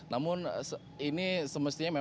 namun ini semestinya memang